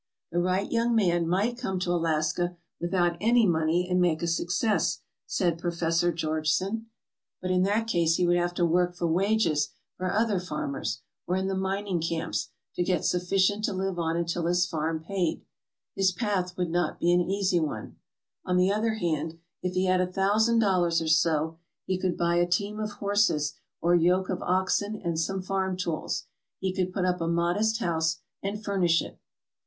"The right young man might come to Alaska without any money and make a success/' said Professor Georgeson. ALASKA OUR NORTHERN WONDERLAND " But in that case he would have to work for wages for other farmers or in the mining camps to get sufficient to live on until his farm paid. His path would not be an easy one. On the other hand, if he had a thousand dollars or so he could buy a team of horses or yoke of oxen and some farm tools. He could put up a modest house and furnish it.